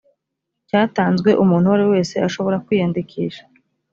cyatanzwe umuntu uwo ariwe wese ashobora kwiyandikisha